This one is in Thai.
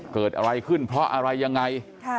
เกิดอะไรขึ้นเพราะอะไรยังไง